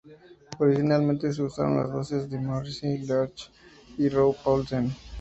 Originalmente se usaron las voces de Maurice LaMarche y Rob Paulsen.